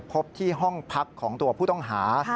พบที่ห้องพักของตัวผู้ต้องหา